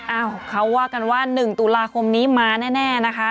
อ้าวเขาว่ากันว่า๑ตุลาคมนี้มาแน่นะคะ